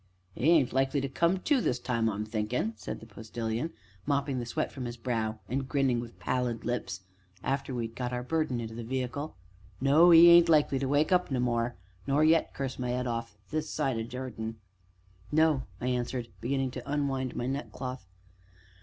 "'E ain't likely to come to this time, I'm thinkin'!" said the Postilion, mopping the sweat from his brow and grinning with pallid lips, after we had got our burden into the vehicle; "no, 'e ain't likely to wake up no more, nor yet 'curse my 'ead off' this side o' Jordan." "No," I answered, beginning to unwind my neckcloth.